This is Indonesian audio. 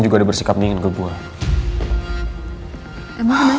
juga gak bersikap dingin sama loris